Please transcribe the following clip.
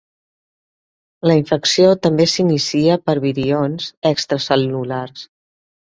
La infecció també s'inicia per virions extracel·lulars.